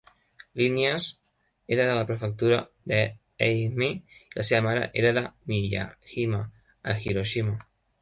Línies, era de la Prefectura d'Ehime, i la seva mare era de Miyajima, a Hiroshima.